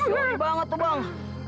serius banget tuh bang